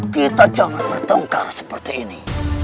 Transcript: kita jangan bertengkar seperti ini